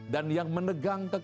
dan yang menegang